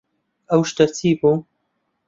ئەو شتە چی بوو؟